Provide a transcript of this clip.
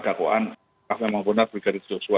dakwaan kalau memang benar brigadir joshua